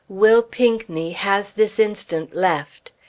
_ Will [Pinckney] has this instant left.